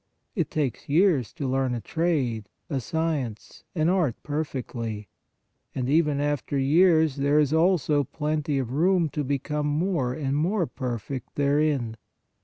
It takes years to learn a trade, a science, an art perfectly, and even after years there is also plenty of room to become more and more perfect therein.